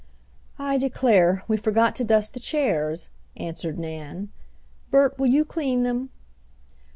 "I declare, we forgot to dust the chairs," answered Nan. "Bert, will you clean them?"